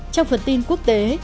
trong phần tin quốc tế